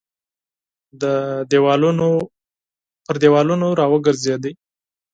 پر دېوالونو راوګرځېد.